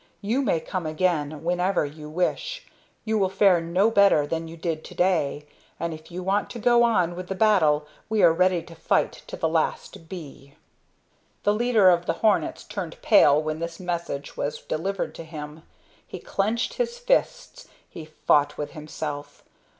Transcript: You may come again, whenever you wish. You will fare no better than you did to day. And if you want to go on with the battle we are ready to fight to the last bee." The leader of the hornets turned pale when this message was delivered to him. He clenched his fists, he fought with himself.